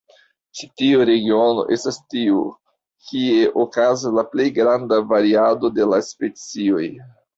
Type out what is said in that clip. Ĉi tiu regiono estas tiu, kie okazas la plej granda variado de la specioj.